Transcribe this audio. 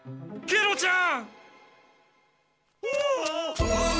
ケロちゃん！